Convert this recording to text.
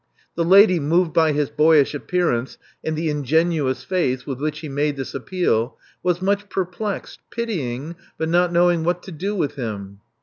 The lady, moved by his boyish appearance and the ingenious faith with which he made this appeal, was much perplexed, pitying, but not knowing what to do with him.